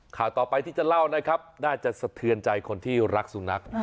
ข่าวต่อไปที่จะเล่านะครับน่าจะสะเทือนใจคนที่รักสุนัข